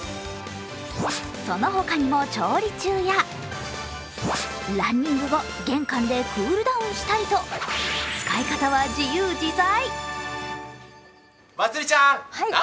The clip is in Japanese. そのほかにも調理中やランニング後玄関でクールダウンしたりと使い方は自由自在。